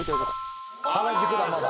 原宿だまだ。